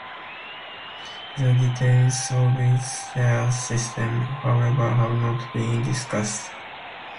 The details of its star system, however, have not been discussed.